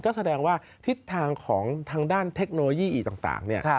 ก็แสดงว่าทิศทางของทางด้านเทคโนโลยีอีต่างเนี่ย